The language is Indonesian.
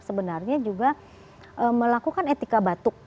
sebenarnya juga melakukan etika batuk